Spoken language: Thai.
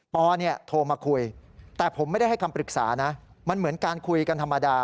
โทรมาคุยแต่ผมไม่ได้ให้คำปรึกษานะมันเหมือนการคุยกันธรรมดา